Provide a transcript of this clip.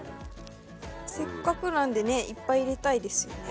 せっかくなんでねいっぱい入れたいですよね。